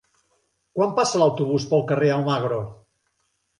Quan passa l'autobús pel carrer Almagro?